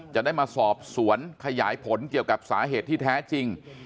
จะได้มาสอบสวนขยายผลเกี่ยวกับสาเหตุที่แท้จริง